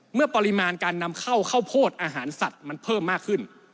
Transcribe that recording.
เมื่อปริมาณการนำเข้าข้าวโพดอาหารสัตว์มันเพิ่มมากขึ้น